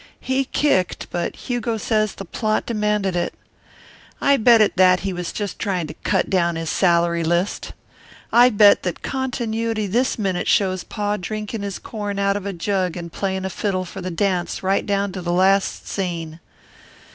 He kicked, but Hugo says the plot demanded it. I bet, at that, he was just trying to cut down his salary list. I bet that continuity this minute shows Pa drinking his corn out of a jug and playing a fiddle for the dance right down to the last scene.